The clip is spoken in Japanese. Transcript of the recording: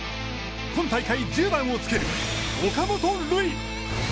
今大会１０番をつける岡本琉奨。